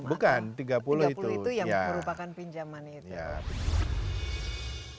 bukan tiga puluh itu yang merupakan pinjaman itu